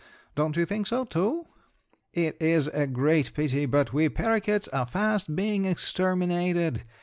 Don't you think so, too? "It is a great pity, but we paroquets are fast being exterminated.